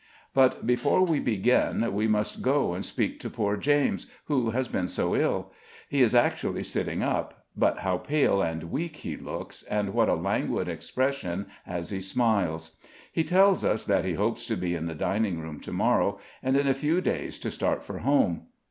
But before we begin, we must go and speak to poor James, who has been so ill; he is actually sitting up; but how pale and weak he looks, and what a languid expression, as he smiles! He tells us that he hopes to be in the dining room to morrow, and in a few days to start for home.